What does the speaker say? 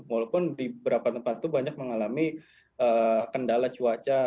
walaupun di beberapa tempat itu banyak mengalami kendala cuaca